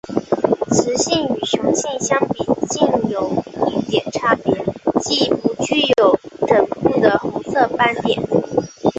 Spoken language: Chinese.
雌性与雄性相比近有一点差别即不具有枕部的红色斑块。